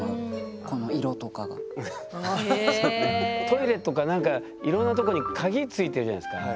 トイレとかなんかいろんなとこに鍵付いてるじゃないですか。